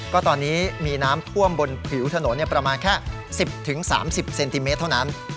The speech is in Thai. ก็ตอนนี้มีน้ำท่วมบนผิวถนนประมาณแค่๑๐๓๐เซนติเมตรเท่านั้น